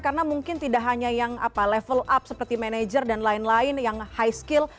karena mungkin tidak hanya yang level up seperti manager dan lain lain yang high skill